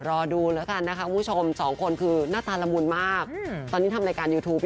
รอดูแล้วกันนะคะคุณผู้ชม๒คนคือหน้าตาละมุนมาก